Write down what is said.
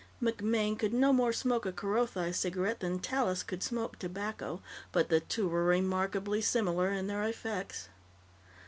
MacMaine could no more smoke a Kerothi cigarette than Tallis could smoke tobacco, but the two were remarkably similar in their effects.